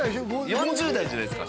４０代じゃないですか？